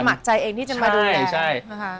พระอาจารย์พระอาจารย์มีความสมัครใจที่จะมาดูแต่